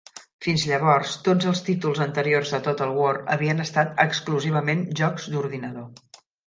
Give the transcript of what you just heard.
Fins llavors, tots els títols anteriors de "Total War" havien estat exclusivament jocs d'ordinador.